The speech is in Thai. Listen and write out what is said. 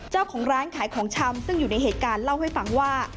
เจ้าของร้านขายของชำซึ่งอยู่ในเหตุการณ์เล่าให้ฟังว่า